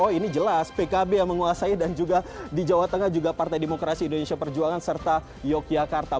oh ini jelas pkb yang menguasai dan juga di jawa tengah juga partai demokrasi indonesia perjuangan serta yogyakarta